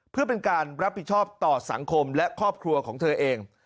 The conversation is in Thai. เพื่อเป็นการรับผิดชอบต่อสังคมและครอบครัวของเธอเอง